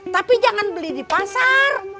tapi jangan beli di pasar